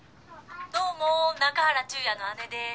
「どうも中原忠也の姉です」